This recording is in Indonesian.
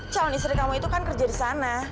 calon istri kamu itu kan kerja di sana